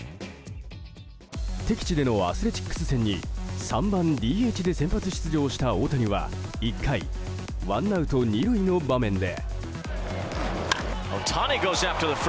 敵地でのアスレチックス戦に３番ＤＨで先発出場した大谷は、１回ワンアウト２塁の場面で。